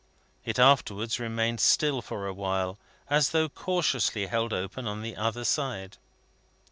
It afterwards remained still for a while, as though cautiously held open on the other side.